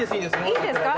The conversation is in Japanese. いいですか？